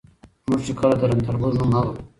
موږ چې کله د رنتنبور نوم اورو